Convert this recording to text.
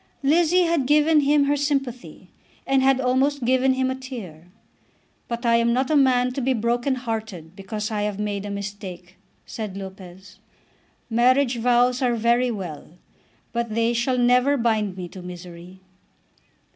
Lizzie had given him her sympathy, and had almost given him a tear. "But I am not a man to be broken hearted because I have made a mistake," said Lopez. "Marriage vows are very well, but they shall never bind me to misery."